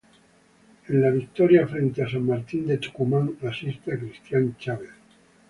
En la victoria frente a San Martín de Tucumán, asiste a Cristian Chávez.